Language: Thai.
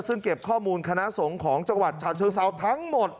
ซึ่งเก็บข้อมูลคณะสงฆ์ของจังหวัดฉะเชิงเซาทั้งหมด